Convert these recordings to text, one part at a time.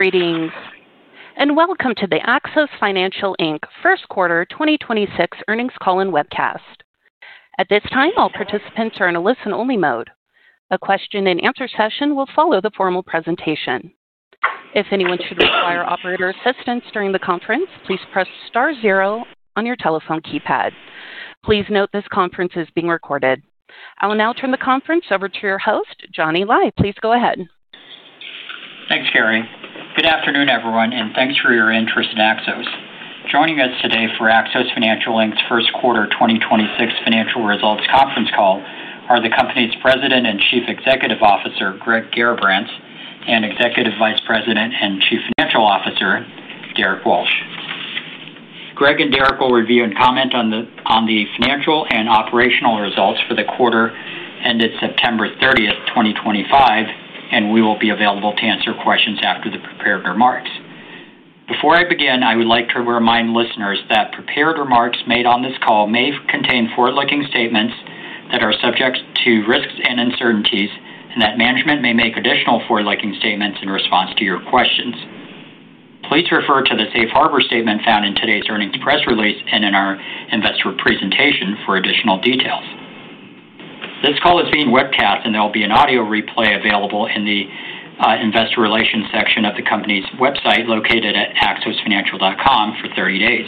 Greetings and welcome to the Axos Financial, Inc First Quarter 2026 earnings call and webcast. At this time, all participants are in a listen-only mode. A question-and-answer session will follow the formal presentation. If anyone should require operator assistance during the conference, please press star zero on your telephone keypad. Please note this conference is being recorded. I will now turn the conference over to your host, Johnny Lai. Please go ahead. Thanks, Carrie. Good afternoon, everyone, and thanks for your interest in Axos. Joining us today for Axos Financial, Inc's First Quarter 2026 financial results conference call are the company's President and Chief Executive Officer, Greg Garrabrants, and Executive Vice President and Chief Financial Officer, Derrick Walsh. Greg and Derrick will review and comment on the financial and operational results for the quarter ended September 30th, 2025, and we will be available to answer questions after the prepared remarks. Before I begin, I would like to remind listeners that prepared remarks made on this call may contain forward-looking statements that are subject to risks and uncertainties, and that management may make additional forward-looking statements in response to your questions. Please refer to the safe harbor statement found in today's earnings press release and in our investor presentation for additional details. This call is being webcast, and there will be an audio replay available in the investor relations section of the company's website located at axosfinancial.com for 30 days.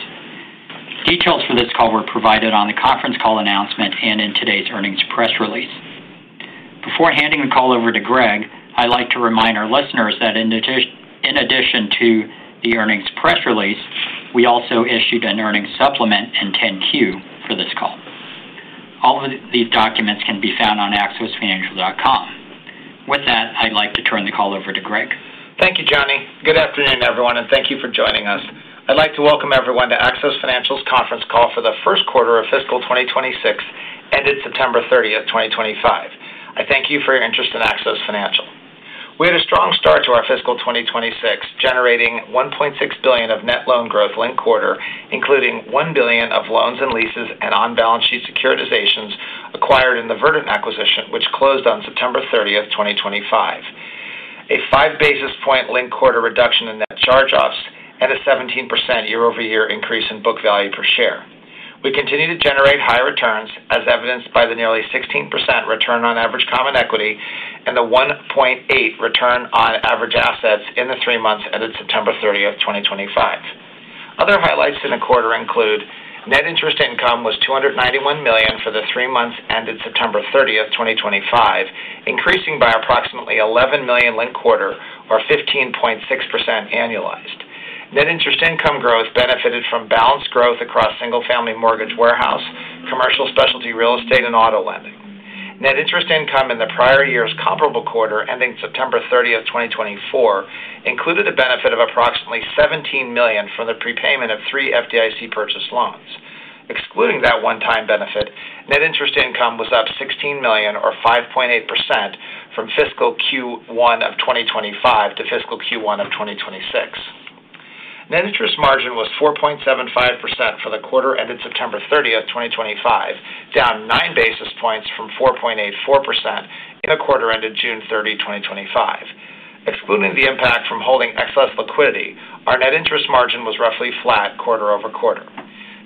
Details for this call were provided on the conference call announcement and in today's earnings press release. Before handing the call over to Greg, I'd like to remind our listeners that in addition to the earnings press release, we also issued an earnings supplement and 10-Q for this call. All of these documents can be found on axosfinancial.com. With that, I'd like to turn the call over to Greg. Thank you, Johnny. Good afternoon, everyone, and thank you for joining us. I'd like to welcome everyone to Axos Financial's conference call for the first quarter of fiscal 2026 ended September 30th, 2025. I thank you for your interest in Axos Financial. We had a strong start to our fiscal 2026, generating $1.6 billion of net loan growth linked quarter, including $1 billion of loans and leases and on-balance sheet securitizations acquired in the Verdant Commercial Capital acquisition, which closed on September 30th, 2025. A 5 basis point linked quarter reduction in net charge-offs and a 17% year-over-year increase in book value per share. We continue to generate high returns, as evidenced by the nearly 16% return on average common equity and the 1.8% return on average assets in the three months ended September 30th, 2025. Other highlights in the quarter include net interest income was $291 million for the three months ended September 30th, 2025, increasing by approximately $11 million linked quarter, or 15.6% annualized. Net interest income growth benefited from balanced growth across single-family mortgage warehouse, commercial specialty real estate, and auto lending. Net interest income in the prior year's comparable quarter ending September 30th, 2024, included a benefit of approximately $17 million from the prepayment of three FDIC purchase loans. Excluding that one-time benefit, net interest income was up $16 million, or 5.8%, from fiscal Q1 of 2025 to fiscal Q1 of 2026. Net interest margin was 4.75% for the quarter ended September 30th, 2025, down 9 basis points from 4.84% in the quarter ended June 30, 2025. Excluding the impact from holding excess liquidity, our net interest margin was roughly flat quarter-over-quarter.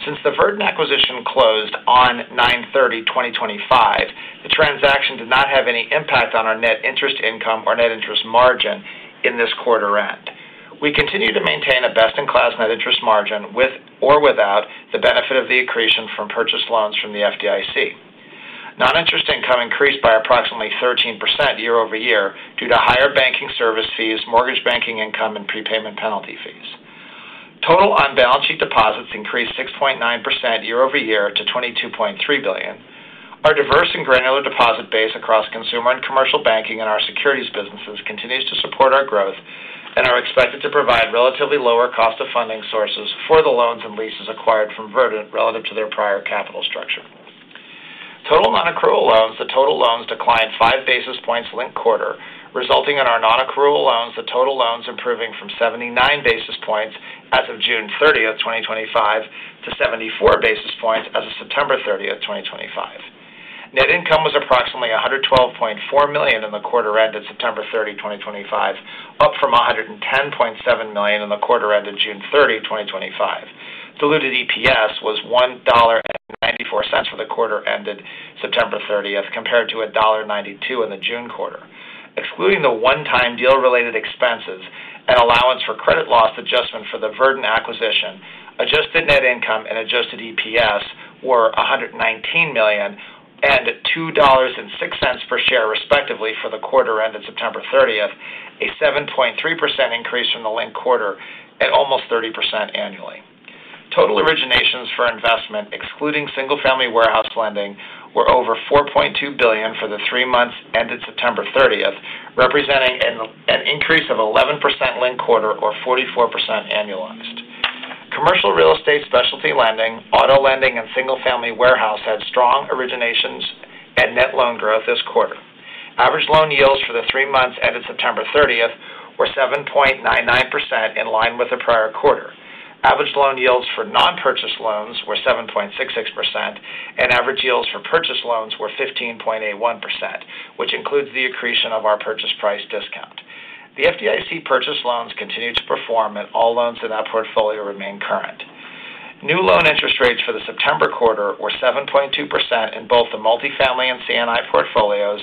Since the Verdant acquisition closed on 9/30/2025, the transaction did not have any impact on our net interest income or net interest margin in this quarter end. We continue to maintain a best-in-class net interest margin with or without the benefit of the accretion from purchased loans from the FDIC. Non-interest income increased by approximately 13% year-over-year due to higher banking service fees, mortgage banking income, and prepayment penalty fees. Total on-balance sheet deposits increased 6.9% year-over-year to $22.3 billion. Our diverse and granular deposit base across consumer and commercial banking and our securities businesses continues to support our growth and are expected to provide relatively lower cost of funding sources for the loans and leases acquired from Verdant relative to their prior capital structure. Total non-accrual loans to total loans declined 5 basis points linked quarter, resulting in our non-accrual loans to total loans improving from 79 basis points as of June 30th, 2025, to 74 basis points as of September 30th, 2025. Net income was approximately $112.4 million in the quarter ended September 30th, 2025, up from $110.7 million in the quarter ended June 30, 2025. Diluted EPS was $1.94 for the quarter ended September 30th, compared to $1.92 in the June quarter. Excluding the one-time deal-related expenses and allowance for credit loss adjustment for the Verdant acquisition, adjusted net income and adjusted EPS were $119 million and $2.06 per share, respectively, for the quarter ended September 30th, a 7.3% increase from the linked quarter at almost 30% annually. Total originations for investment, excluding single-family mortgage warehouse lending, were over $4.2 billion for the three months ended September 30th, representing an increase of 11% linked quarter, or 44% annualized. Commercial real estate specialty lending, auto lending, and single-family mortgage warehouse had strong originations and net loan growth this quarter. Average loan yields for the three months ended September 30th were 7.99%, in line with the prior quarter. Average loan yields for non-purchase loans were 7.66%, and average yields for purchase loans were 15.81%, which includes the accretion of our purchase price discount. The FDIC purchase loans continue to perform, and all loans in that portfolio remain current. New loan interest rates for the September quarter were 7.2% in both the multifamily and C&I portfolios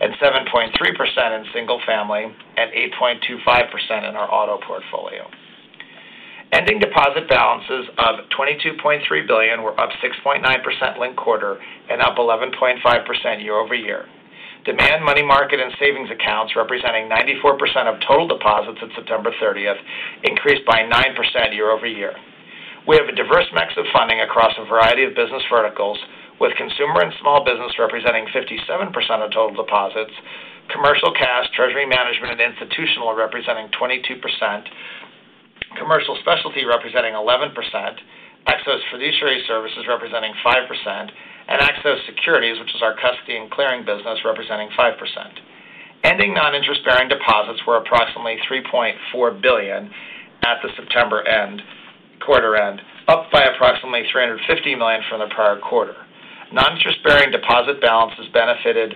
and 7.3% in single-family and 8.25% in our auto portfolio. Ending deposit balances of $22.3 billion were up 6.9% linked quarter and up 11.5% year-over-year. Demand, money market, and savings accounts representing 94% of total deposits at September 30th increased by 9% year-over-year. We have a diverse mix of funding across a variety of business verticals, with consumer and small business representing 57% of total deposits, commercial cash, treasury management, and institutional representing 22%. Commercial specialty representing 11%, Axos Fiduciary Services representing 5%, and Axos Securities, which is our custody and clearing business, representing 5%. Ending non-interest-bearing deposits were approximately $3.4 billion at the September quarter end, up by approximately $350 million from the prior quarter. Non-interest-bearing deposit balances benefited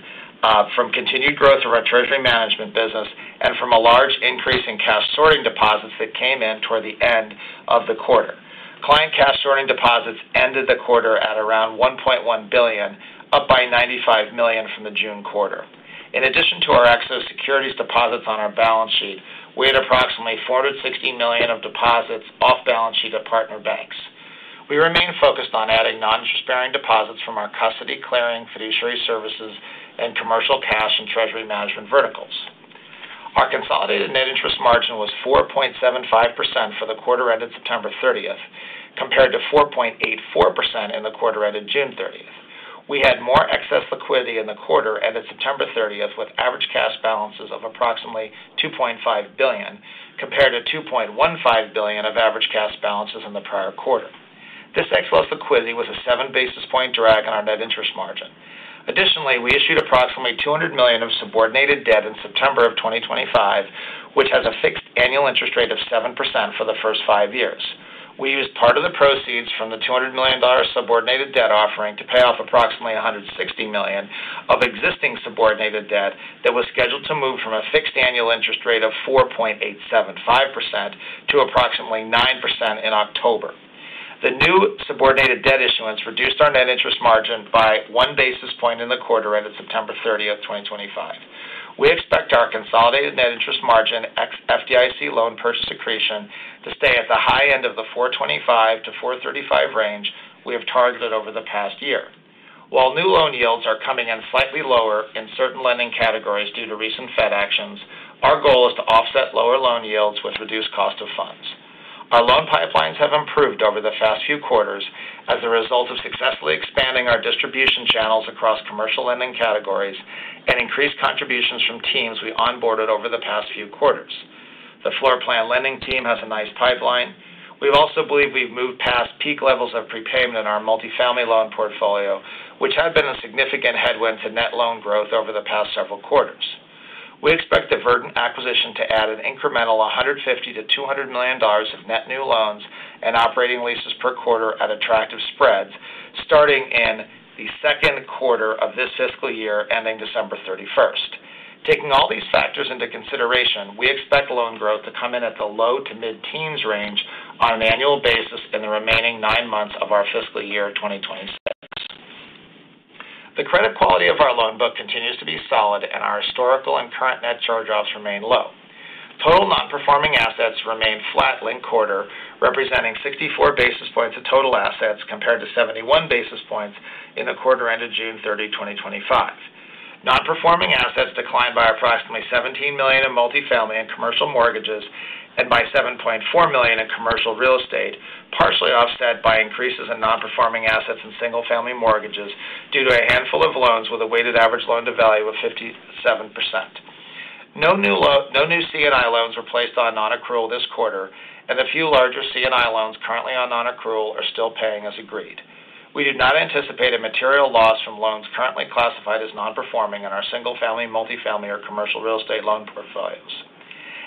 from continued growth of our treasury management business and from a large increase in cash sorting deposits that came in toward the end of the quarter. Client cash sorting deposits ended the quarter at around $1.1 billion, up by $95 million from the June quarter. In addition to our Axos Securities deposits on our balance sheet, we had approximately $460 million of deposits off balance sheet at partner banks. We remain focused on adding non-interest-bearing deposits from our custody, clearing, fiduciary services, and commercial cash and treasury management verticals. Our consolidated net interest margin was 4.75% for the quarter ended September 30th, compared to 4.84% in the quarter ended June 30. We had more excess liquidity in the quarter ended September 30th with average cash balances of approximately $2.5 billion, compared to $2.15 billion of average cash balances in the prior quarter. This excess liquidity was a 7 basis point drag on our net interest margin. Additionally, we issued approximately $200 million of subordinated debt in September 2025, which has a fixed annual interest rate of 7% for the first five years. We used part of the proceeds from the $200 million subordinated debt offering to pay off approximately $160 million of existing subordinated debt that was scheduled to move from a fixed annual interest rate of 4.875% to approximately 9% in October. The new subordinated debt issuance reduced our net interest margin by 1 basis point in the quarter ended September 30th, 2025. We expect our consolidated net interest margin FDIC loan purchase accretion to stay at the high end of the 4.25%-4.35% range we have targeted over the past year. While new loan yields are coming in slightly lower in certain lending categories due to recent Fed actions, our goal is to offset lower loan yields with reduced cost of funds. Our loan pipelines have improved over the past few quarters as a result of successfully expanding our distribution channels across commercial lending categories and increased contributions from teams we onboarded over the past few quarters. The floor plan lending team has a nice pipeline. We also believe we've moved past peak levels of prepayment in our multifamily loan portfolio, which had been a significant headwind to net loan growth over the past several quarters. We expect the Verdant acquisition to add an incremental $150 million-$200 million of net new loans and operating leases per quarter at attractive spreads starting in the second quarter of this fiscal year ending December 31st, 2025. Taking all these factors into consideration, we expect loan growth to come in at the low to mid-teens range on an annual basis in the remaining nine months of our fiscal year 2026. The credit quality of our loan book continues to be solid, and our historical and current net charge-offs remain low. Total non-performing assets remain flat quarter-over-quarter, representing 64 basis points of total assets compared to 71 basis points in the quarter ended June 30, 2025. Non-performing assets declined by approximately $17 million in multifamily and commercial mortgages and by $7.4 million in commercial real estate, partially offset by increases in non-performing assets in single-family mortgages due to a handful of loans with a weighted average loan to value of 57%. No new C&I loans were placed on non-accrual this quarter, and the few larger C&I loans currently on non-accrual are still paying as agreed. We do not anticipate a material loss from loans currently classified as non-performing in our single-family, multifamily, or commercial real estate loan portfolios.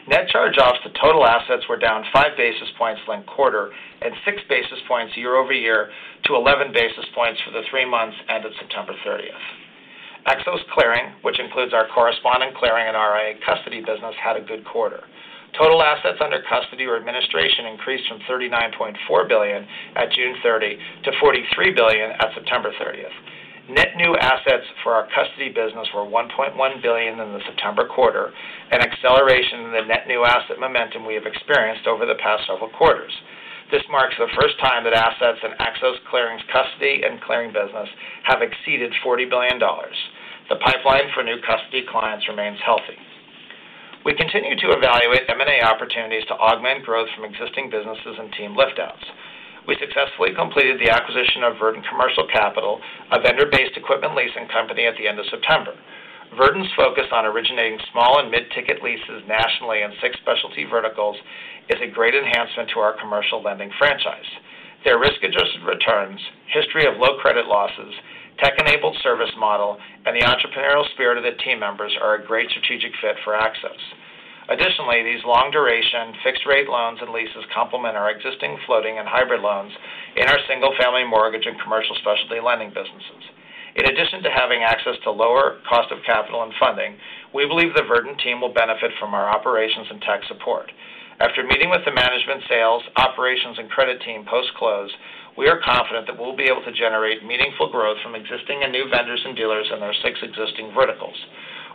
Net charge-offs to total assets were down 5 basis points quarter-over-quarter and 6 basis points year-over-year to 11 basis points for the three months ended September 30th. Axos Clearing, which includes our correspondent clearing and our custody business, had a good quarter. Total assets under custody or administration increased from $39.4 billion at June 30 to $43 billion at September 30th. Net new assets for our custody business were $1.1 billion in the September quarter, an acceleration in the net new asset momentum we have experienced over the past several quarters. This marks the first time that assets in Axos Clearing's custody and clearing business have exceeded $40 billion. The pipeline for new custody clients remains healthy. We continue to evaluate M&A opportunities to augment growth from existing businesses and team liftouts. We successfully completed the acquisition of Verdant Commercial Capital, a vendor-based equipment leasing company, at the end of September. Verdant's focus on originating small and mid-ticket leases nationally in six specialty verticals is a great enhancement to our commercial lending franchise. Their risk-adjusted returns, history of low credit losses, tech-enabled service model, and the entrepreneurial spirit of the team members are a great strategic fit for Axos. Additionally, these long-duration fixed-rate loans and leases complement our existing floating and hybrid loans in our single-family mortgage and commercial specialty lending businesses. In addition to having access to lower cost of capital and funding, we believe the Verdant team will benefit from our operations and tech support. After meeting with the management, sales, operations, and credit team post-close, we are confident that we'll be able to generate meaningful growth from existing and new vendors and dealers in our six existing verticals.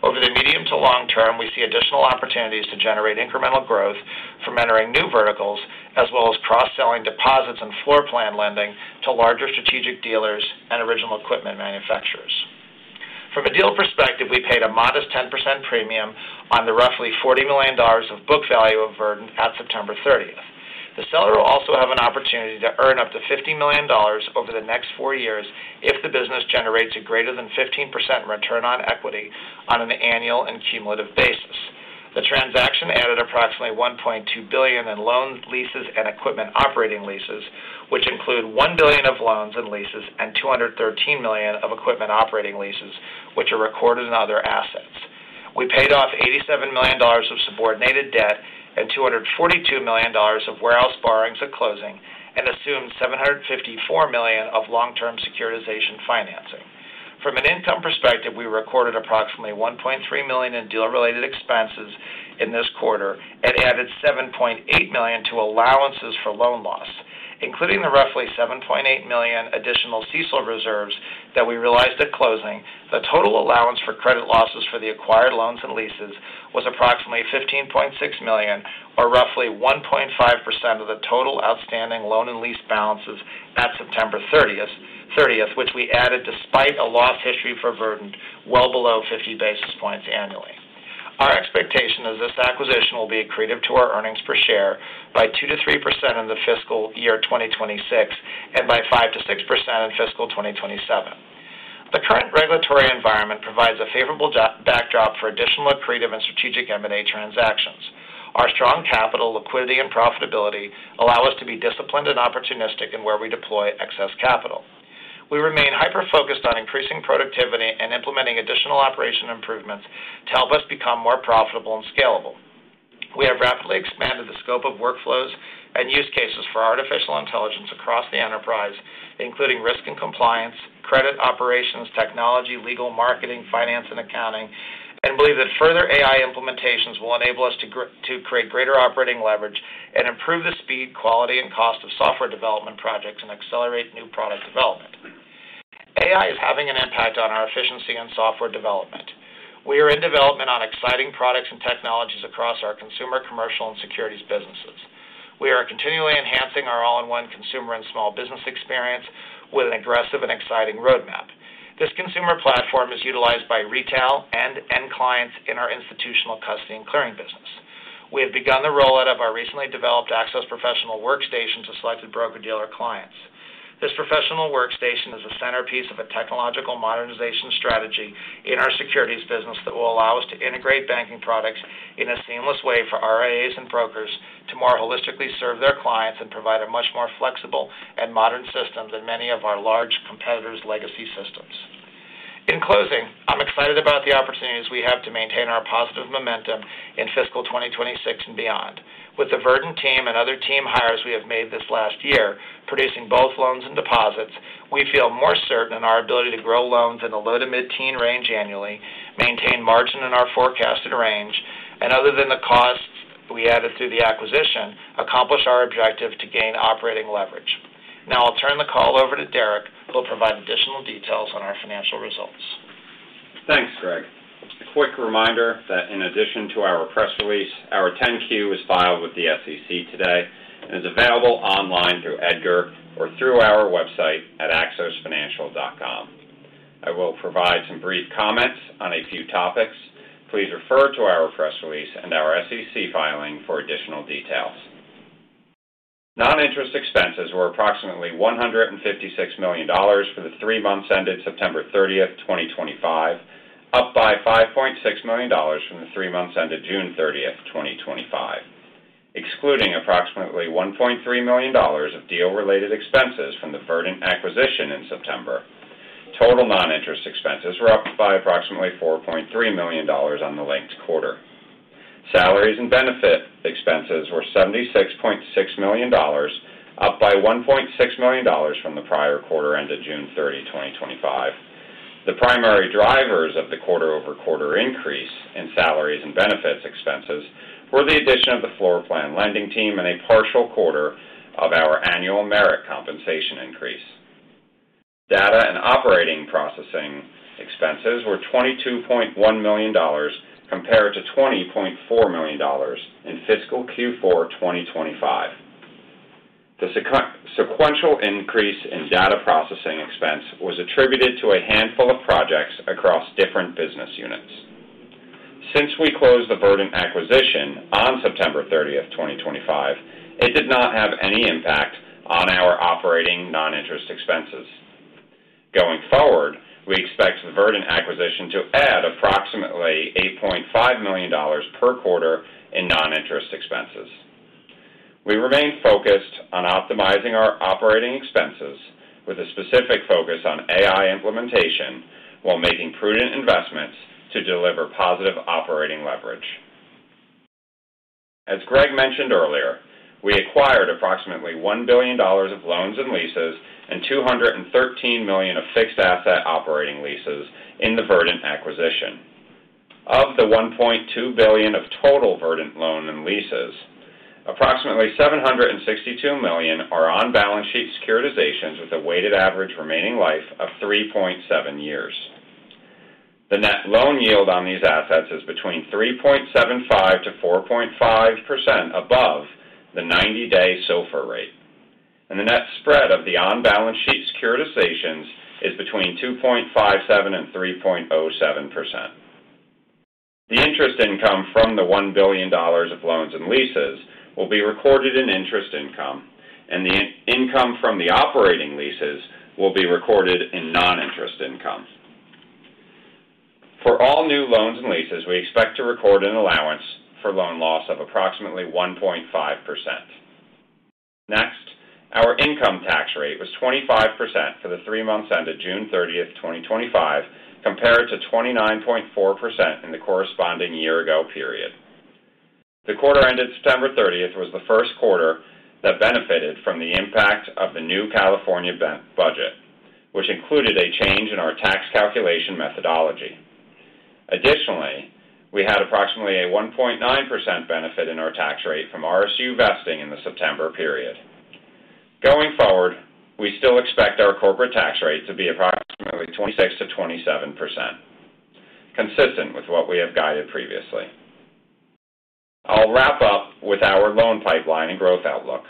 Over the medium to long term, we see additional opportunities to generate incremental growth from entering new verticals, as well as cross-selling deposits and floor plan lending to larger strategic dealers and original equipment manufacturers. From a deal perspective, we paid a modest 10% premium on the roughly $40 million of book value of Verdant at September 30th. The seller will also have an opportunity to earn up to $50 million over the next four years if the business generates a greater than 15% return on equity on an annual and cumulative basis. The transaction added approximately $1.2 billion in loan leases and equipment operating leases, which include $1 billion of loans and leases and $213 million of equipment operating leases, which are recorded in other assets. We paid off $87 million of subordinated debt and $242 million of warehouse borrowings at closing and assumed $754 million of long-term securitization financing. From an income perspective, we recorded approximately $1.3 million in deal-related expenses in this quarter and added $7.8 million to allowances for loan loss. Including the roughly $7.8 million additional [CSOL] reserves that we realized at closing, the total allowance for credit losses for the acquired loans and leases was approximately $15.6 million, or roughly 1.5% of the total outstanding loan and lease balances at September 30th, which we added despite a loss history for Verdant well below 50 basis points annually. Our expectation is this acquisition will be accretive to our earnings per share by 2%-3% in the fiscal year 2026 and by 5%-6% in fiscal 2027. The current regulatory environment provides a favorable backdrop for additional accretive and strategic M&A transactions. Our strong capital, liquidity, and profitability allow us to be disciplined and opportunistic in where we deploy excess capital. We remain hyper-focused on increasing productivity and implementing additional operation improvements to help us become more profitable and scalable. We have rapidly expanded the scope of workflows and use cases for artificial intelligence across the enterprise, including risk and compliance, credit operations, technology, legal, marketing, finance, and accounting, and believe that further AI implementations will enable us to create greater operating leverage and improve the speed, quality, and cost of software development projects and accelerate new product development. AI is having an impact on our efficiency and software development. We are in development on exciting products and technologies across our consumer, commercial, and securities businesses. We are continually enhancing our all-in-one consumer and small business experience with an aggressive and exciting roadmap. This consumer platform is utilized by retail and end clients in our institutional custody and clearing business. We have begun the rollout of our recently developed Axos Professional Workstation to selected broker-dealer clients. This professional workstation is a centerpiece of a technological modernization strategy in our securities business that will allow us to integrate banking products in a seamless way for RIAs and brokers to more holistically serve their clients and provide a much more flexible and modern system than many of our large competitors' legacy systems. In closing, I'm excited about the opportunities we have to maintain our positive momentum in fiscal 2026 and beyond. With the Verdant team and other team hires we have made this last year, producing both loans and deposits, we feel more certain in our ability to grow loans in the low to mid-teens range annually, maintain margin in our forecasted range, and other than the costs we added through the acquisition, accomplish our objective to gain operating leverage. Now I'll turn the call over to Derrick, who will provide additional details on our financial results. Thanks, Greg. A quick reminder that in addition to our press release, our 10-Q was filed with the SEC today and is available online through EDGAR or through our website at axosfinancial.com. I will provide some brief comments on a few topics. Please refer to our press release and our SEC filing for additional details. Non-interest expenses were approximately $156 million for the three months ended September 30th, 2025, up by $5.6 million from the three months ended June 30th, 2025. Excluding approximately $1.3 million of deal-related expenses from the Verdant acquisition in September, total non-interest expenses were up by approximately $4.3 million on the linked quarter. Salaries and benefits expenses were $76.6 million, up by $1.6 million from the prior quarter ended June 30, 2025. The primary drivers of the quarter-over-quarter increase in salaries and benefits expenses were the addition of the floor plan lending team and a partial quarter of our annual merit compensation increase. Data and operating processing expenses were $22.1 million compared to $20.4 million in fiscal Q4 2025. The sequential increase in data processing expense was attributed to a handful of projects across different business units. Since we closed the Verdant acquisition on September 30th, 2025, it did not have any impact on our operating non-interest expenses. Going forward, we expect the Verdant acquisition to add approximately $8.5 million per quarter in non-interest expenses. We remain focused on optimizing our operating expenses with a specific focus on AI implementation while making prudent investments to deliver positive operating leverage. As Greg mentioned earlier, we acquired approximately $1 billion of loans and leases and $213 million of fixed asset operating leases in the Verdant acquisition. Of the $1.2 billion of total Verdant loans and leases, approximately $762 million are on-balance sheet securitizations with a weighted average remaining life of 3.7 years. The net loan yield on these assets is between 3.75%-4.5% above the 90-day SOFR rate, and the net spread of the on-balance sheet securitizations is between 2.57% and 3.07%. The interest income from the $1 billion of loans and leases will be recorded in interest income, and the income from the operating leases will be recorded in non-interest income. For all new loans and leases, we expect to record an allowance for loan loss of approximately 1.5%. Next, our income tax rate was 25% for the three months ended June 30th, 2025, compared to 29.4% in the corresponding year-ago period. The quarter ended September 30th was the first quarter that benefited from the impact of the new California budget, which included a change in our tax calculation methodology. Additionally, we had approximately a 1.9% benefit in our tax rate from RSU vesting in the September period. Going forward, we still expect our corporate tax rate to be approximately 26%-27%, consistent with what we have guided previously. I'll wrap up with our loan pipeline and growth outlook.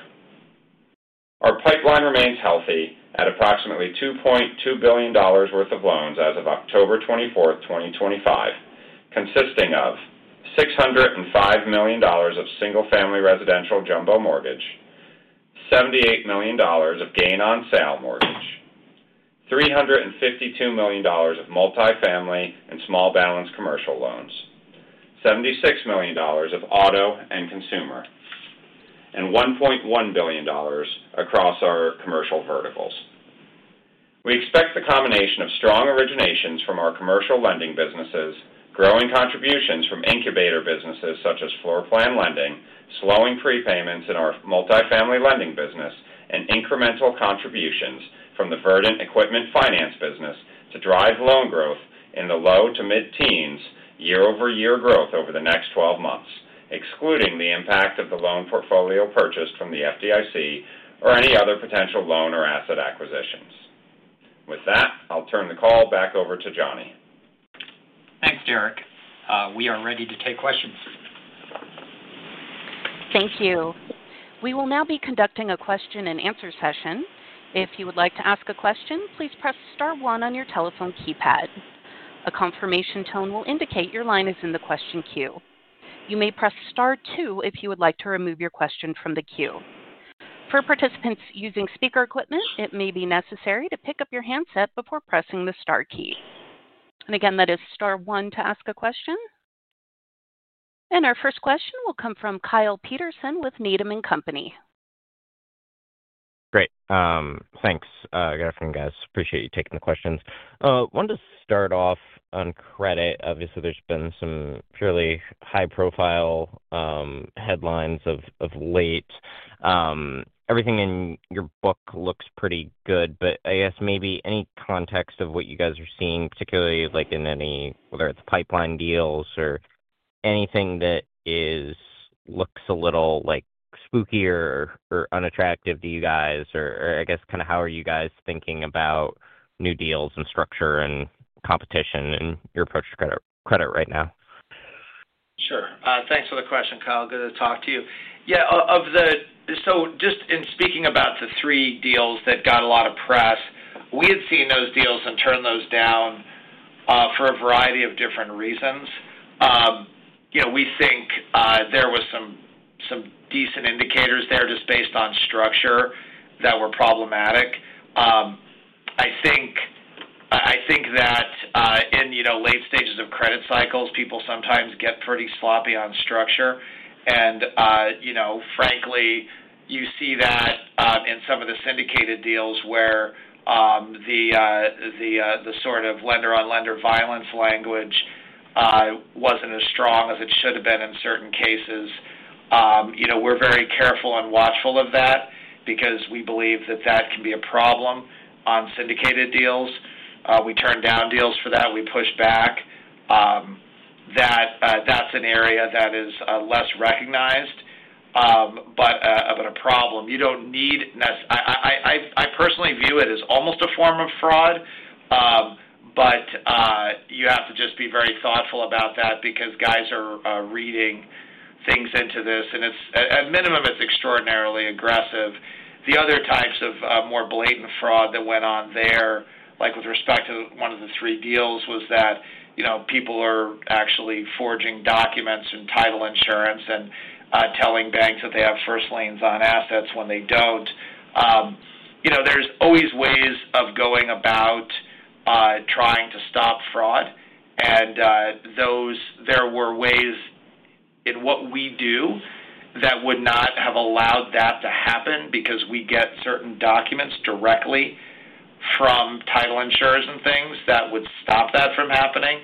Our pipeline remains healthy at approximately $2.2 billion worth of loans as of October 24, 2025, consisting of $605 million of single-family residential jumbo mortgage, $78 million of gain-on-sale mortgage, $352 million of multifamily and small balance commercial loans, $76 million of auto and consumer, and $1.1 billion across our commercial verticals. We expect the combination of strong originations from our commercial lending businesses, growing contributions from incubator businesses such as floor plan lending, slowing prepayments in our multifamily lending business, and incremental contributions from the Verdant equipment finance business to drive loan growth in the low to mid-teens year-over-year growth over the next 12 months, excluding the impact of the loan portfolio purchased from the FDIC or any other potential loan or asset acquisitions. With that, I'll turn the call back over to Johnny. Thanks, Derrick. We are ready to take questions. Thank you. We will now be conducting a question-and-answer session. If you would like to ask a question, please press star one on your telephone keypad. A confirmation tone will indicate your line is in the question queue. You may press star two if you would like to remove your question from the queue. For participants using speaker equipment, it may be necessary to pick up your handset before pressing the star key. That is star one to ask a question. Our first question will come from Kyle Peterson with Needham & Company. Great. Thanks. Good afternoon, guys. Appreciate you taking the questions. I wanted to start off on credit. Obviously, there's been some fairly high-profile headlines of late. Everything in your book looks pretty good, but I guess maybe any context of what you guys are seeing, particularly in any, whether it's pipeline deals or anything that looks a little spooky or unattractive to you guys, or I guess kind of how are you guys thinking about new deals and structure and competition in your approach to credit right now? Sure. Thanks for the question, Kyle. Good to talk to you. Just in speaking about the three deals that got a lot of press, we had seen those deals and turned those down for a variety of different reasons. We think there were some decent indicators there just based on structure that were problematic. I think that in late stages of credit cycles, people sometimes get pretty sloppy on structure. Frankly, you see that in some of the syndicated deals where the sort of lender-on-lender violence language wasn't as strong as it should have been in certain cases. We're very careful and watchful of that because we believe that that can be a problem on syndicated deals. We turned down deals for that. We pushed back. That's an area that is less recognized but of a problem. You don't need to—I personally view it as almost a form of fraud. You have to just be very thoughtful about that because guys are reading things into this, and at minimum, it's extraordinarily aggressive. The other types of more blatant fraud that went on there, like with respect to one of the three deals, was that people are actually forging documents and title insurance and telling banks that they have first liens on assets when they don't. There's always ways of going about trying to stop fraud, and there were ways in what we do that would not have allowed that to happen because we get certain documents directly from title insurers and things that would stop that from happening.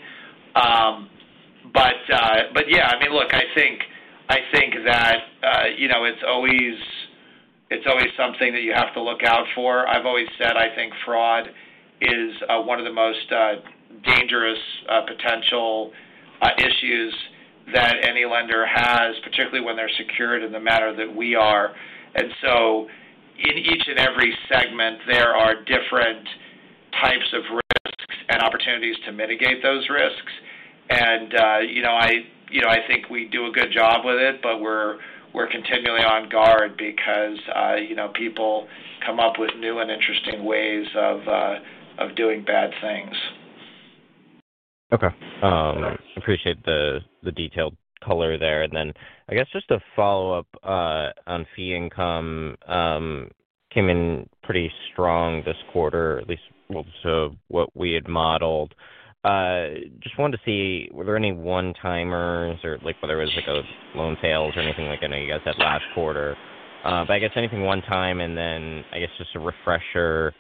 I think that it's always something that you have to look out for. I've always said I think fraud is one of the most dangerous potential issues that any lender has, particularly when they're secured in the manner that we are. In each and every segment, there are different types of risks and opportunities to mitigate those risks. I think we do a good job with it, but we're continually on guard because people come up with new and interesting ways of doing bad things. Okay. Appreciate the detailed color there. And then I guess just a follow-up on fee income. Came in pretty strong this quarter, at least to what we had modeled. Just wanted to see, were there any one-timers or whether it was like a loan sales or anything like I know you guys had last quarter? I guess anything one-time and then just a refresher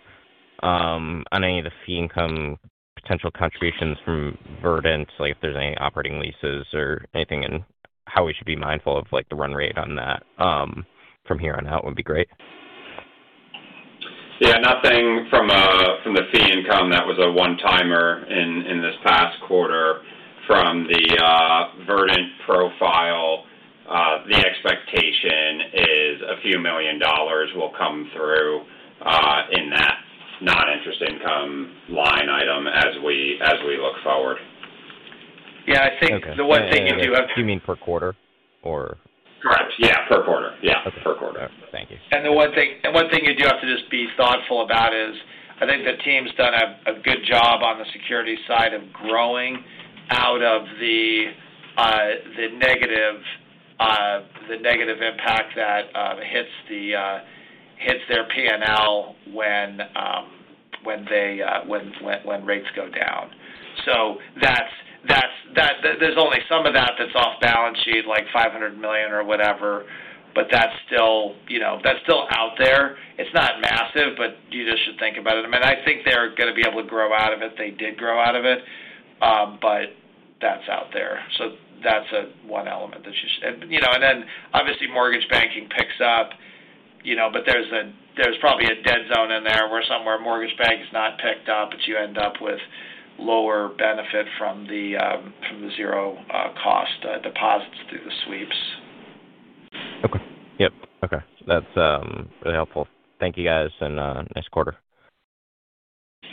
on any of the fee income potential contributions from Verdant, like if there's any operating leases or anything and how we should be mindful of the run rate on that from here on out would be great. Nothing from the fee income that was a one-timer in this past quarter. From the Verdant profile, the expectation is a few million dollars will come through in that non-interest income line item as we look forward. I think the one thing you do have— You mean per quarter or? Correct. Yeah. Per quarter. Thank you. The one thing you do have to just be thoughtful about is I think the team's done a good job on the security side of growing out of the negative impact that hits their P&L when they—when rates go down. There's only some of that that's off balance sheet, like $500 million or whatever, but that's still out there. It's not massive, but you just should think about it. I mean, I think they're going to be able to grow out of it. They did grow out of it, but that's out there. That's one element that you should—and then obviously mortgage banking picks up. There's probably a dead zone in there where somewhere mortgage bank is not picked up, but you end up with lower benefit from the zero-cost deposits through the sweeps. Okay. Yep. Okay. That's really helpful. Thank you, guys, and nice quarter.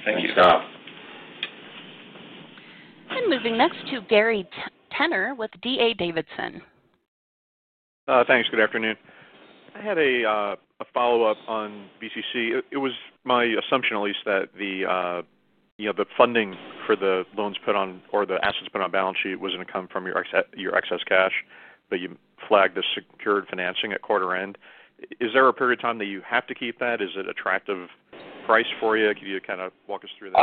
Thank you, [Scott]. Moving next to Gary Tenner with D.A. Davidson. Thanks. Good afternoon. I had a follow-up on VCC. It was my assumption, at least, that the funding for the loans put on or the assets put on balance sheet was going to come from your excess cash, but you flagged the secured financing at quarter end. Is there a period of time that you have to keep that? Is it an attractive price for you? Can you kind of walk us through that?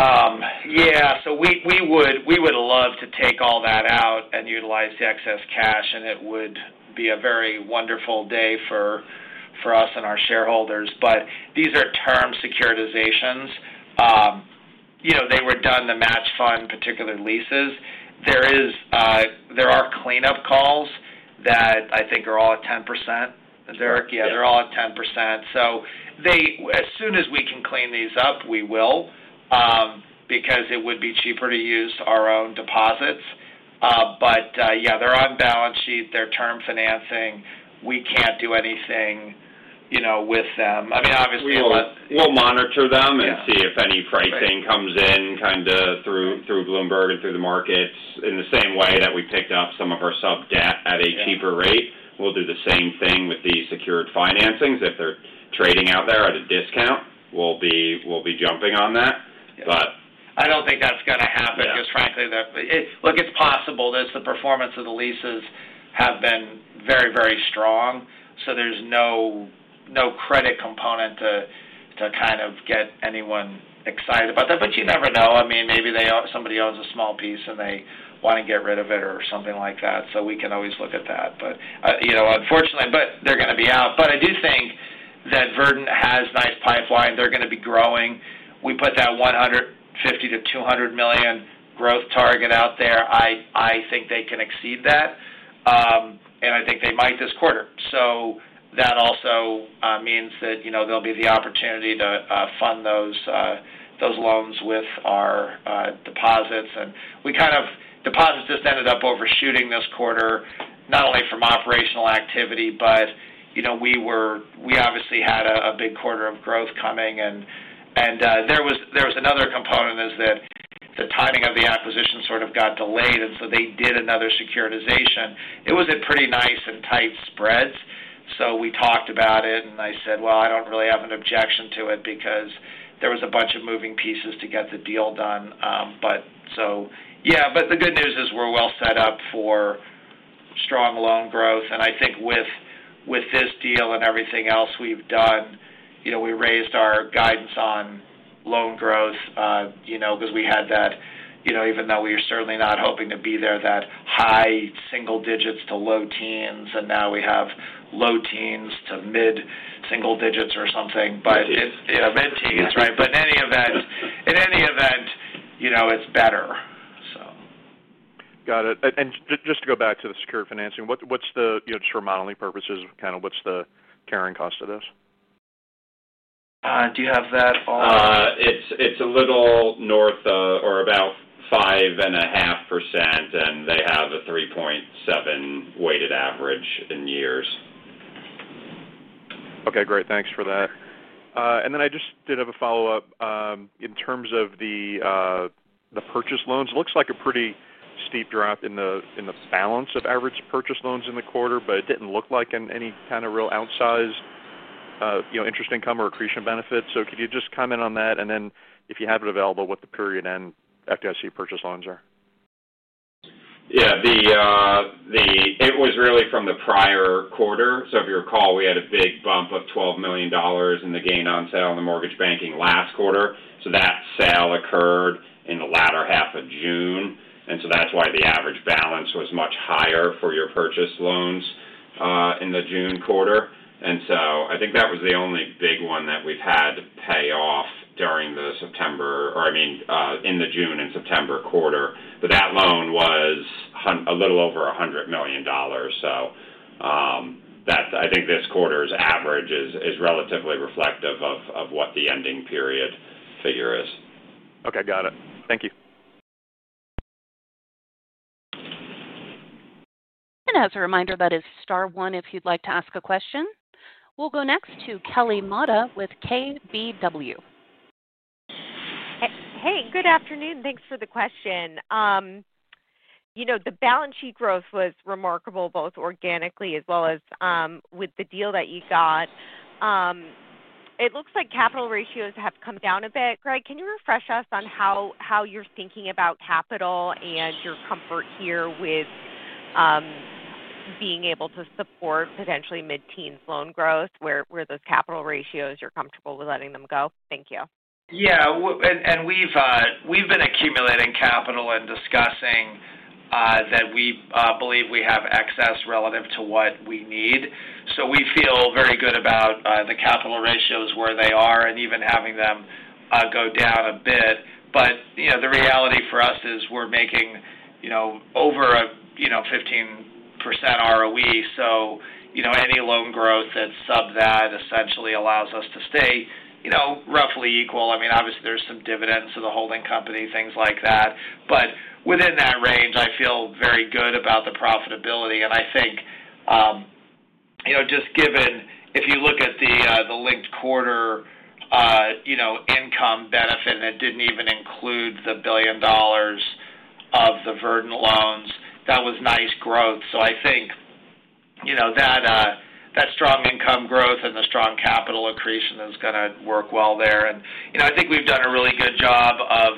We would love to take all that out and utilize the excess cash, and it would be a very wonderful day for us and our shareholders. These are term securitizations. They were done to match fund particular leases. There are cleanup calls that I think are all at 10%, Derrick? Yeah. They're all at 10%. As soon as we can clean these up, we will because it would be cheaper to use our own deposits. Yeah, they're on balance sheet. They're term financing. We can't do anything with them. Obviously, we'll monitor them and see if any pricing comes in through Bloomberg and through the markets in the same way that we picked up some of our sub debt at a cheaper rate. We'll do the same thing with the secured financings. If they're trading out there at a discount, we'll be jumping on that. I don't think that's going to happen, just frankly. It's possible. The performance of the leases has been very, very strong, so there's no credit component to get anyone excited about that. You never know. Maybe somebody owns a small piece and they want to get rid of it or something like that. We can always look at that, unfortunately, but they're going to be out. I do think that Verdant has a nice pipeline. They're going to be growing. We put that $150 million-$200 million growth target out there. I think they can exceed that, and I think they might this quarter. That also means that there will be the opportunity to fund those loans with our deposits. Deposits just ended up overshooting this quarter, not only from operational activity, but we obviously had a big quarter of growth coming. There was another component that the timing of the acquisition sort of got delayed, and so they did another securitization. It was a pretty nice and tight spread. We talked about it, and I said, "I don't really have an objection to it because there was a bunch of moving pieces to get the deal done." The good news is we're well set up for strong loan growth. I think with this deal and everything else we've done, we raised our guidance on loan growth because we had that, even though we were certainly not hoping to be there, that high single digits to low teens, and now we have low teens to mid single digits or something. Mid teens, right? In any event, it's better. Got it. Just to go back to the secured financing, just for modeling purposes, what's the carrying cost of this? Do you have that all? It's a little north or about 5.5%, and they have a 3.7 weighted average in years. Okay. Great. Thanks for that. I just did have a follow-up. In terms of the purchase loans, it looks like a pretty steep drop in the balance of average purchase loans in the quarter, but it didn't look like any kind of real outsized. Interest income or accretion benefits. Could you just comment on that? If you have it available, what the period end FDIC purchase loans are? It was really from the prior quarter. If you recall, we had a big bump of $12 million in the gain on sale in the mortgage banking last quarter. That sale occurred in the latter half of June, and that's why the average balance was much higher for your purchase loans in the June quarter. I think that was the only big one that we've had to pay off during the June and September quarter. That loan was a little over $100 million. I think this quarter's average is relatively reflective of what the ending period figure is. Okay. Got it. Thank you. As a reminder, that is star one if you'd like to ask a question. We'll go next to Kelly Motta with KBW. Hey. Good afternoon. Thanks for the question. The balance sheet growth was remarkable, both organically as well as with the deal that you got. It looks like capital ratios have come down a bit. Greg, can you refresh us on how you're thinking about capital and your comfort here with being able to support potentially mid-teens loan growth where those capital ratios, you're comfortable with letting them go? Thank you. Yeah. We've been accumulating capital and discussing that we believe we have excess relative to what we need. We feel very good about the capital ratios where they are and even having them go down a bit. The reality for us is we're making over a 15% ROE. Any loan growth that's sub that essentially allows us to stay roughly equal. Obviously, there's some dividends to the holding company, things like that, but within that range, I feel very good about the profitability. I think just given if you look at the linked quarter income benefit, and it didn't even include the $1 billion of the Verdant loans, that was nice growth. I think that strong income growth and the strong capital accretion is going to work well there. I think we've done a really good job of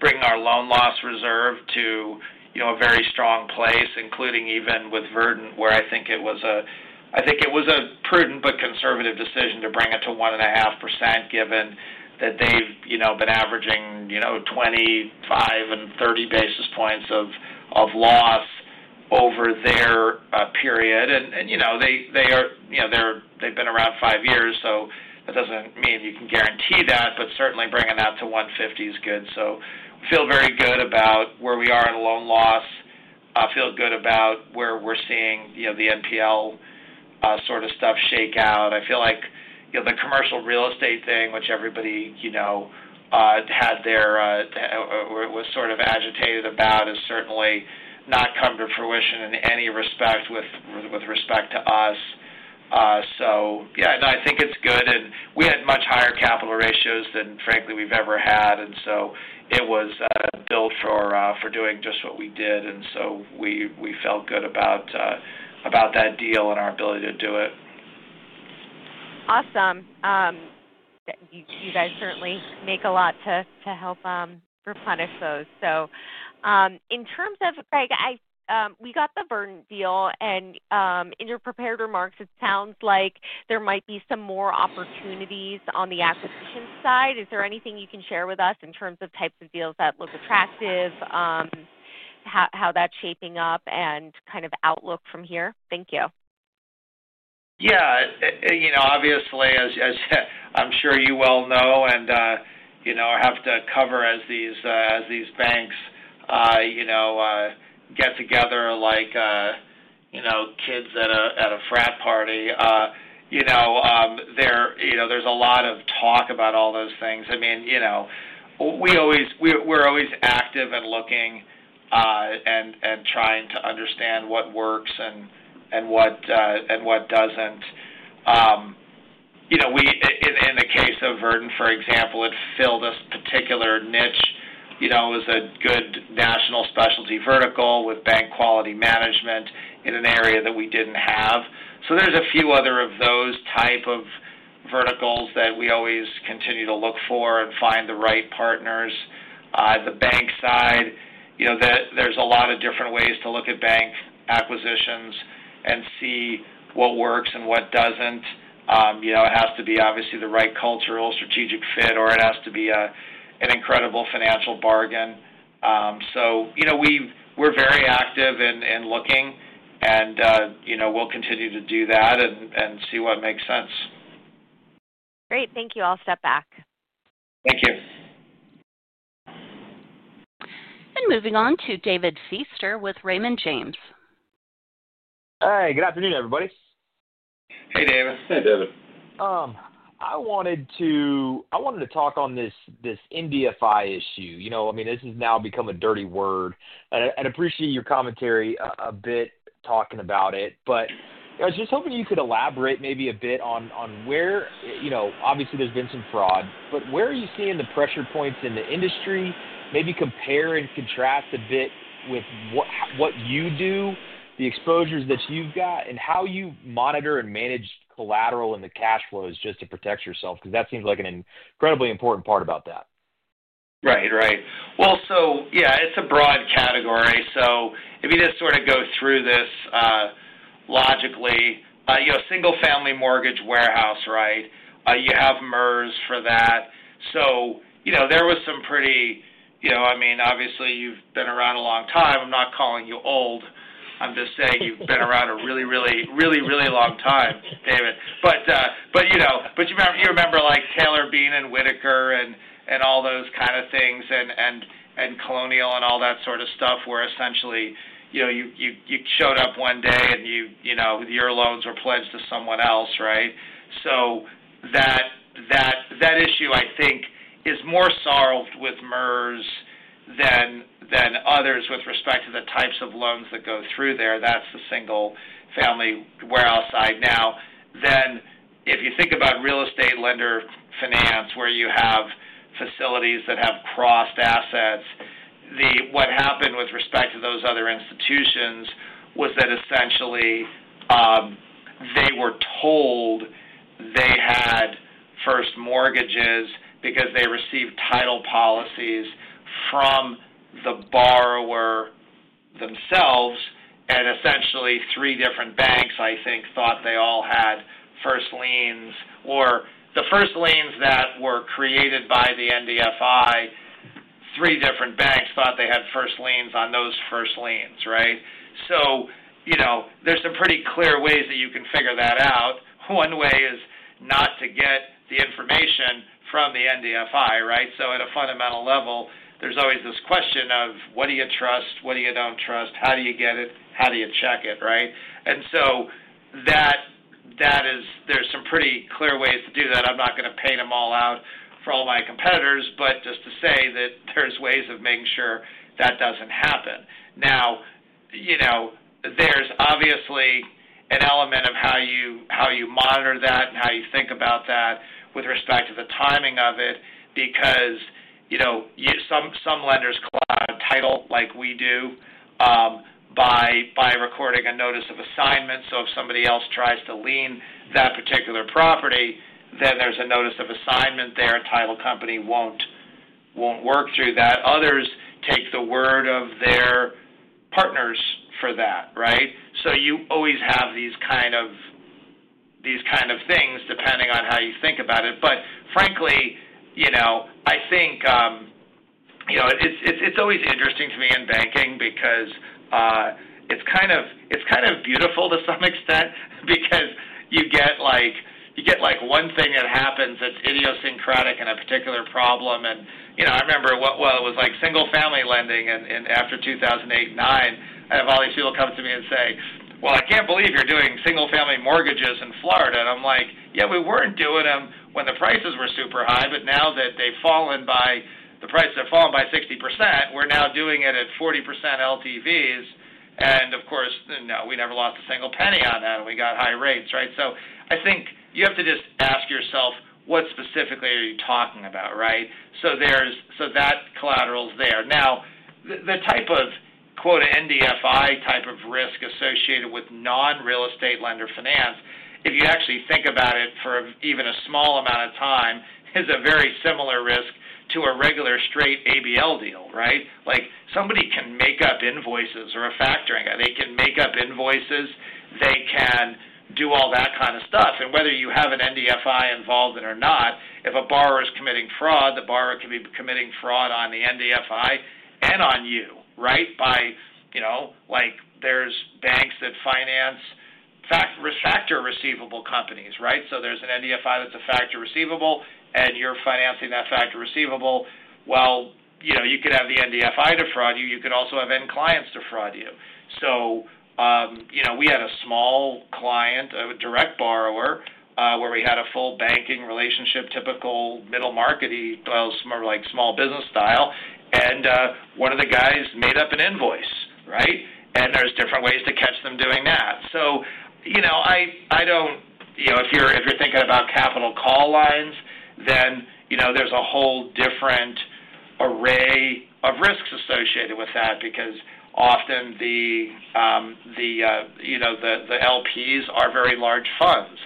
bringing our loan loss reserve to a very strong place, including even with Verdant, where I think it was a prudent but conservative decision to bring it to 1.5% given that they've been averaging 25 basis points and 30 basis points of loss over their period. They've been around five years, so that doesn't mean you can guarantee that, but certainly bringing that to [150] is good. I feel very good about where we are in loan loss. I feel good about where we're seeing the NPL sort of stuff shake out. I feel like the commercial real estate thing, which everybody was sort of agitated about, has certainly not come to fruition in any respect with respect to us. I think it's good. We had much higher capital ratios than, frankly, we've ever had. It was built for doing just what we did. We felt good about that deal and our ability to do it. You guys certainly make a lot to help replenish those. In terms of Greg, we got the Verdant deal. In your prepared remarks, it sounds like there might be some more opportunities on the acquisition side. Is there anything you can share with us in terms of types of deals that look attractive, how that's shaping up, and kind of outlook from here? Thank you. Obviously, as I'm sure you well know and have to cover as these banks get together like kids at a frat party, there's a lot of talk about all those things. We're always active and looking and trying to understand what works and what doesn't. In the case of Verdant, for example, it filled a particular niche. It was a good national specialty vertical with bank quality management in an area that we didn't have. There are a few other of those types of verticals that we always continue to look for and find the right partners. The bank side, there are a lot of different ways to look at bank acquisitions and see what works and what doesn't. It has to be the right cultural strategic fit, or it has to be an incredible financial bargain. We're very active in looking, and we'll continue to do that and see what makes sense. Thank you. I'll step back. Thank you. Moving on to David Feaster with Raymond James. Good afternoon, everybody. Hey, David. I wanted to talk on this NDFI issue. This has now become a dirty word. I appreciate your commentary a bit talking about it. I was just hoping you could elaborate maybe a bit on where, obviously, there's been some fraud, but where are you seeing the pressure points in the industry? Maybe compare and contrast a bit with what you do, the exposures that you've got, and how you monitor and manage collateral in the cash flows just to protect yourself because that seems like an incredibly important part about that. Right. It's a broad category. If you just sort of go through this logically, single-family mortgage warehouse, right? You have MERS for that. There was some pretty—I mean, obviously, you've been around a long time. I'm not calling you old. I'm just saying you've been around a really, really, really, really long time, David. You remember Taylor, Bean & Whitaker and all those kind of things and Colonial and all that sort of stuff where essentially you showed up one day and your loans were pledged to someone else, right? That issue, I think, is more solved with MERS than others with respect to the types of loans that go through there. That's the single-family warehouse side. Now, if you think about real estate lender finance where you have facilities that have crossed assets, what happened with respect to those other institutions was that essentially they were told they had first mortgages because they received title policies from the borrower themselves. Essentially, three different banks, I think, thought they all had first liens or the first liens that were created by the NDFI. Three different banks thought they had first liens on those first liens, right? There are some pretty clear ways that you can figure that out. One way is not to get the information from the NDFI, right? At a fundamental level, there's always this question of what do you trust, what do you don't trust, how do you get it, how do you check it, right? There are some pretty clear ways to do that. I'm not going to paint them all out for all my competitors, but just to say that there are ways of making sure that doesn't happen. Now, there's obviously an element of how you monitor that and how you think about that with respect to the timing of it because some lenders cloud title like we do by recording a notice of assignment. If somebody else tries to lien that particular property, then there's a notice of assignment there, and title company won't work through that. Others take the word of their partners for that, right? You always have these kind of things depending on how you think about it. Frankly, I think it's always interesting to me in banking because it's kind of beautiful to some extent because you get one thing that happens that's idiosyncratic in a particular problem. I remember, it was single-family lending after 2008, 2009, and all these people come to me and say, "I can't believe you're doing single-family mortgages in Florida." I'm like, "Yeah, we weren't doing them when the prices were super high, but now that they've fallen by the price they've fallen by 60%, we're now doing it at 40% LTVs." Of course, no, we never lost a single penny on that, and we got high rates, right? I think you have to just ask yourself, what specifically are you talking about, right? That collateral's there. Now, the type of, quote, NDFI type of risk associated with non-real estate lender finance, if you actually think about it for even a small amount of time, is a very similar risk to a regular straight ABL Deal, right? Somebody can make up invoices or a factoring. They can make up invoices. They can do all that kind of stuff. Whether you have an NDFI involved in it or not, if a borrower is committing fraud, the borrower can be committing fraud on the NDFI and on you, right? There are banks that finance factor receivable companies, right? There's an NDFI that's a factor receivable, and you're financing that factor receivable. You could have the NDFI defraud you. You could also have end clients defraud you. We had a small client, a direct borrower, where we had a full banking relationship, typical middle market style, more like small business style. One of the guys made up an invoice, right? There are different ways to catch them doing that. If you're thinking about capital call lines, then there's a whole different array of risks associated with that because often the LPs are very large funds.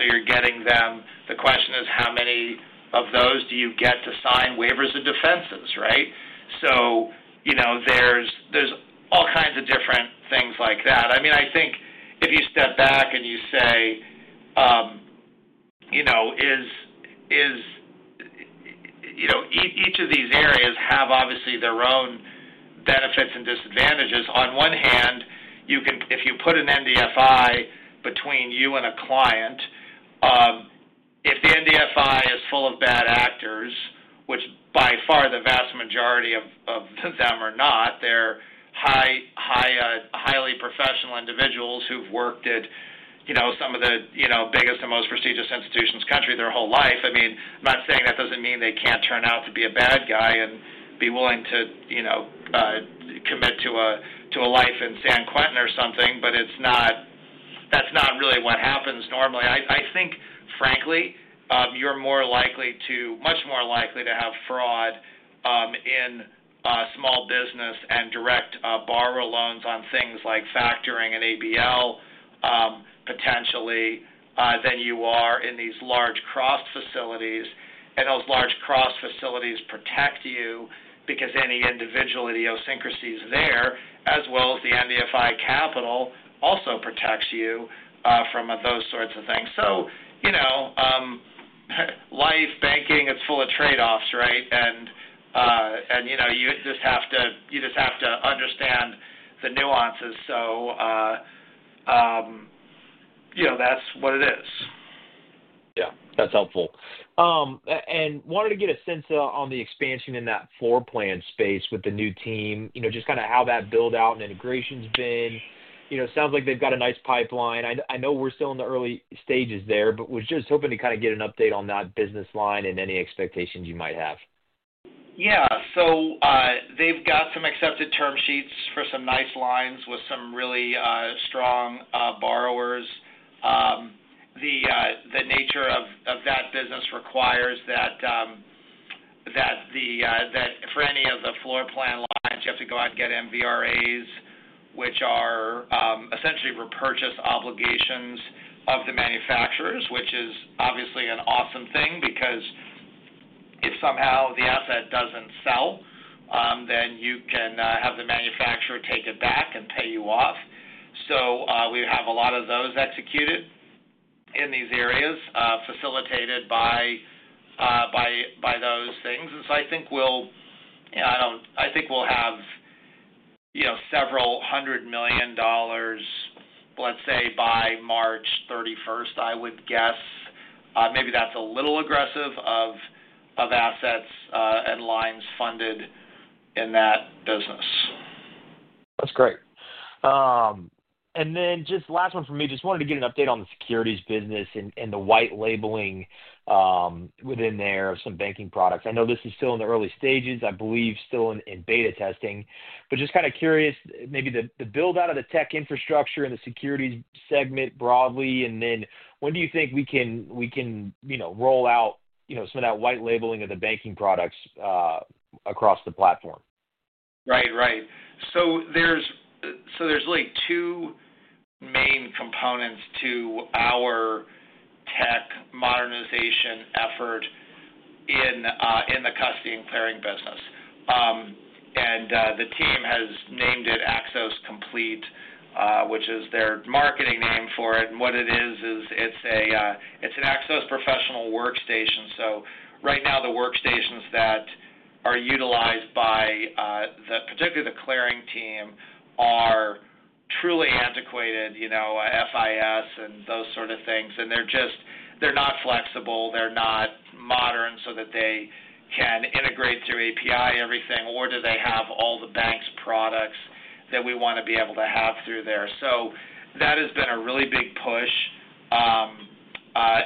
You're getting them—the question is, how many of those do you get to sign waivers and defenses, right? There are all kinds of different things like that. I think if you step back and you say each of these areas have obviously their own benefits and disadvantages. On one hand, if you put an NDFI between you and a client, if the NDFI is full of bad actors, which by far the vast majority of them are not, they're highly professional individuals who've worked at some of the biggest and most prestigious institutions in the country their whole life. I'm not saying that doesn't mean they can't turn out to be a bad guy and be willing to commit to a life in San Quentin or something, but that's not really what happens normally. I think, frankly, you're much more likely to have fraud in small business and direct borrower loans on things like factoring and ABL, potentially, than you are in these large cross facilities. Those large cross facilities protect you because any individual idiosyncrasies there, as well as the NDFI capital, also protect you from those sorts of things. Life, banking, it's full of trade-offs, right? You just have to understand the nuances. That's what it is. Yeah, that's helpful. I wanted to get a sense on the expansion in that floor plan space with the new team, just kind of how that build-out and integration's been. It sounds like they've got a nice pipeline. I know we're still in the early stages there, but was just hoping to kind of get an update on that business line and any expectations you might have. Yeah, so they've got some accepted term sheets for some nice lines with some really strong borrowers. The nature of that business requires that for any of the floor plan lines, you have to go out and get MRAs, which are essentially repurchase obligations of the manufacturers, which is obviously an awesome thing because if somehow the asset doesn't sell, then you can have the manufacturer take it back and pay you off. We have a lot of those executed in these areas, facilitated by those things. I think we'll have several hundred million dollars, let's say, by March 31st, I would guess. Maybe that's a little aggressive, of assets and lines funded in that business. That's great. Just last one for me. I just wanted to get an update on the securities business and the white labeling within there of some banking products. I know this is still in the early stages, I believe still in beta testing, but just kind of curious, maybe the build-out of the tech infrastructure and the securities segment broadly, and then when do you think we can roll out some of that white labeling of the banking products across the platform? Right. There's really two main components to our tech modernization effort in the custody and clearing business. The team has named it Axos Complete, which is their marketing name for it. What it is, is it's an Axos Professional Workstation. Right now, the workstations that are utilized by particularly the clearing team are truly antiquated FIS and those sort of things, and they're not flexible. They're not modern so that they can integrate through API everything, or do they have all the bank's products that we want to be able to have through there? That has been a really big push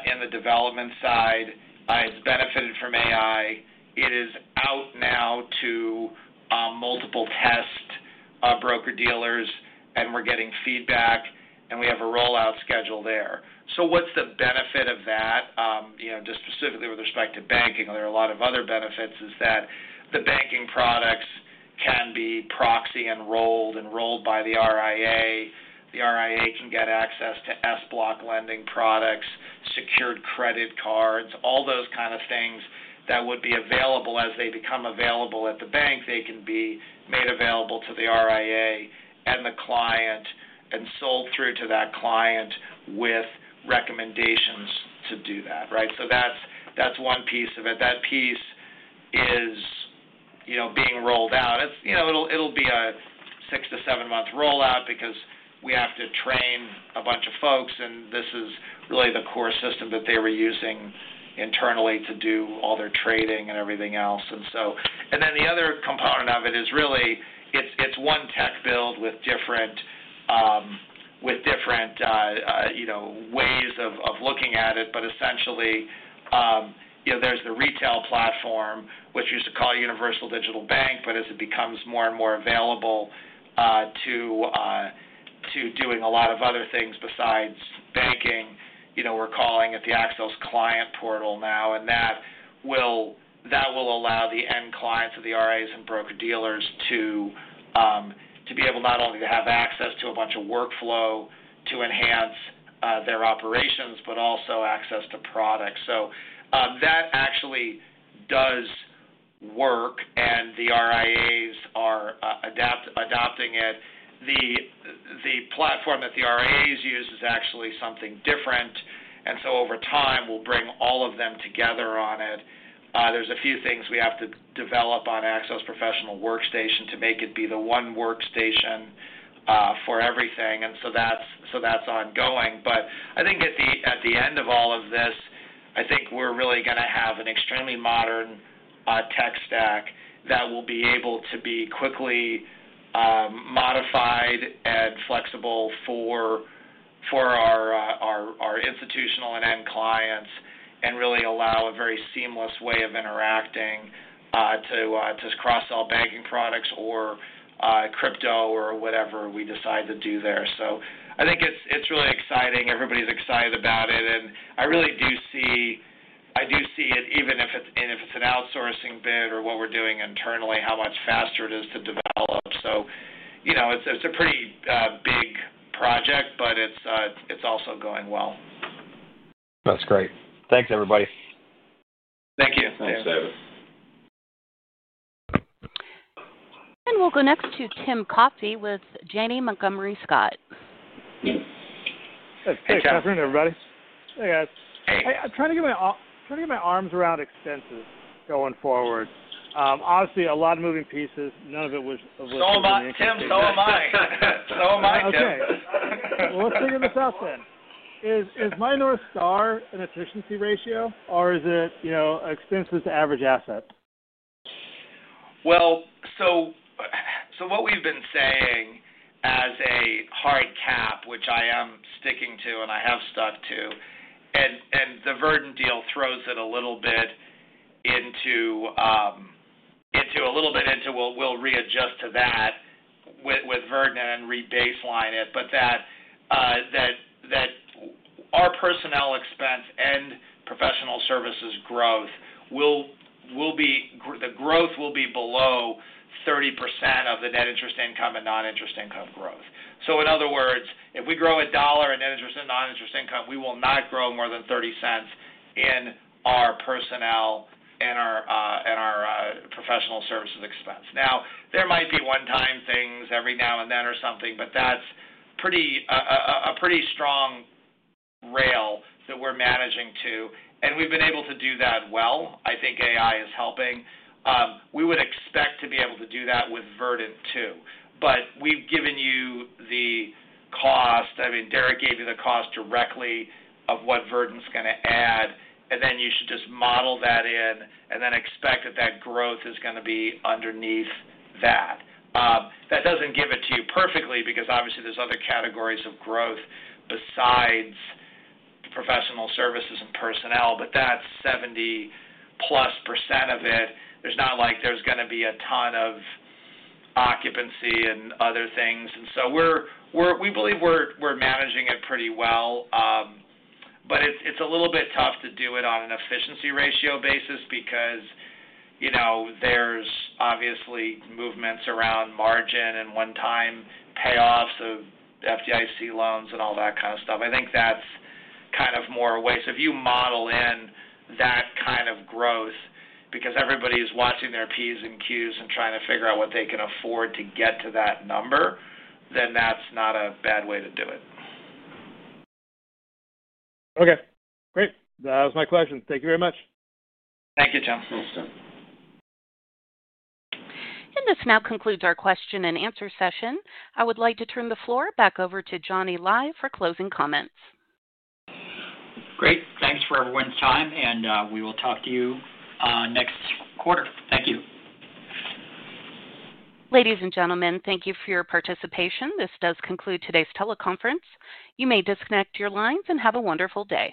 in the development side. It's benefited from AI. It is out now to multiple test broker-dealers, and we're getting feedback, and we have a rollout schedule there. What's the benefit of that? Just specifically with respect to banking, there are a lot of other benefits, is that the banking products can be proxy enrolled, enrolled by the RIA. The RIA can get access to SBA-backed] lending products, secured credit cards, all those kind of things that would be available as they become available at the bank. They can be made available to the RIA and the client and sold through to that client with recommendations to do that, right? That's one piece of it. That piece is being rolled out. It'll be a six to seven-month rollout because we have to train a bunch of folks, and this is really the core system that they were using internally to do all their trading and everything else. The other component of it is really it's one tech build with different ways of looking at it. Essentially, there's the retail platform, which we used to call Universal Digital Bank, but as it becomes more and more available to doing a lot of other things besides banking, we're calling it the Axos Client Portal now. That will allow the end clients of the RIAs and broker-dealers to be able not only to have access to a bunch of workflow to enhance their operations, but also access to products. That actually does work, and the RIAs are adopting it. The platform that the RIAs use is actually something different, and over time, we'll bring all of them together on it. There's a few things we have to develop on Axos Professional Workstation to make it be the one workstation for everything, and that's ongoing. I think at the end of all of this, I think we're really going to have an extremely modern tech stack that will be able to be quickly modified and flexible for our institutional and end clients and really allow a very seamless way of interacting to cross all banking products or crypto or whatever we decide to do there. I think it's really exciting. Everybody's excited about it. I really do see it, even if it's an outsourcing bid or what we're doing internally, how much faster it is to develop. It's a pretty big project, but it's also going well. That's great. Thanks, everybody. Thank you. Thanks, David. We'll go next to Tim Coffey with Janney Montgomery Scott. Hey, everybody. Hey, guys. Hey. I'm trying to get my arms around expenses going forward. Obviously, a lot of moving pieces. None of it was. Tim, so am I. So am I, Tim. Okay. Let's figure this out then. Is minor star an efficiency ratio, or is it expenses to average asset? What we've been saying as a hard cap, which I am sticking to and I have stuck to, and the Verdant Commercial Capital deal throws it a little bit into, a little bit into, we'll readjust to that with Verdant Commercial Capital and rebaseline it, but that our personnel expense and professional services growth will be, the growth will be below 30% of the net interest income and non-interest income growth. In other words, if we grow a dollar in net interest and non-interest income, we will not grow more than $0.30 in our personnel and our professional services expense. There might be one-time things every now and then or something, but that's a pretty strong rail that we're managing to, and we've been able to do that well. I think AI is helping. We would expect to be able to do that with Verdant Commercial Capital too. We've given you the cost. I mean, Derrick gave you the cost directly of what Verdant Commercial Capital's going to add, and then you should just model that in and then expect that that growth is going to be underneath that. That doesn't give it to you perfectly because obviously there's other categories of growth besides professional services and personnel, but that's 70%+ of it. There's not like there's going to be a ton of occupancy and other things. We believe we're managing it pretty well. It's a little bit tough to do it on an efficiency ratio basis because there's obviously movements around margin and one-time payoffs of FDIC loans and all that kind of stuff. I think that's kind of more a way. If you model in that kind of growth because everybody is watching their P's and Q's and trying to figure out what they can afford to get to that number, that's not a bad way to do it. Okay. Great. That was my question. Thank you very much. Thank you, Tim. This now concludes our question and answer session. I would like to turn the floor back over to Johnny Lai for closing comments. Great. Thanks for everyone's time, and we will talk to you next quarter. Thank you. Ladies and gentlemen, thank you for your participation. This does conclude today's teleconference. You may disconnect your lines and have a wonderful day.